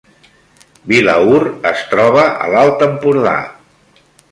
Vilaür es troba a l’Alt Empordà